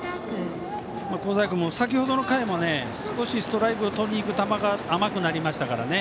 香西君も、先程の回も少しストライクをとりにいく球が甘くなりましたからね。